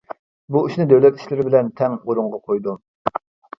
بۇ ئىشنى دۆلەت ئىشلىرى بىلەن تەڭ ئورۇنغا قويدۇم.